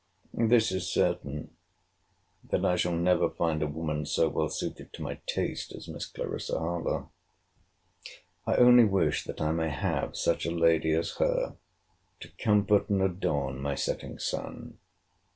This is certain, that I shall never find a woman so well suited to my taste as Miss Clarissa Harlowe. I only wish that I may have such a lady as her to comfort and adorn my setting sun.